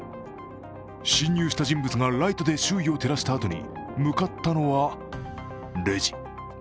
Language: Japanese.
侵入した人物がライトで周囲を照らしたあとに向かったのは、レジ。